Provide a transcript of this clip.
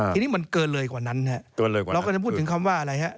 ทีนี้มันเกินเลยกว่านั้นครับเราก็จะพูดถึงคำว่าอะไรครับ